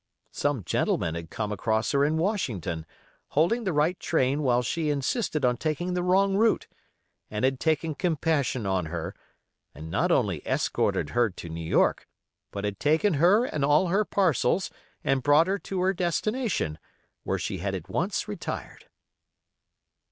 Some gentleman had come across her in Washington, holding the right train while she insisted on taking the wrong route, and had taken compassion on her, and not only escorted her to New York, but had taken her and all her parcels and brought her to her destination, where she had at once retired.